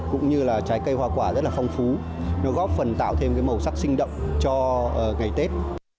và trái cây hoa quả rất là phong phú nó góp phần tạo thêm cái màu sắc sinh động cho ngày tết